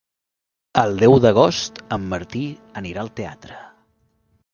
El deu d'agost en Martí anirà al teatre.